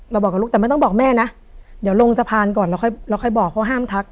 บอกกับลูกแต่ไม่ต้องบอกแม่นะเดี๋ยวลงสะพานก่อนเราค่อยแล้วค่อยบอกเขาห้ามทัก